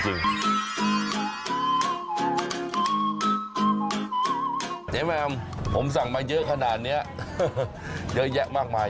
แหม่มผมสั่งมาเยอะขนาดนี้เยอะแยะมากมาย